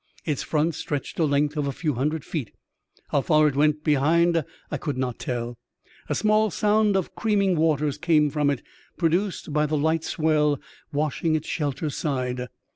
Its front stretched a length of a few hundred feet; how far it went behind I could not tell. A small sound of cream ing waters came from it, produced by the light swell washing its shelter side.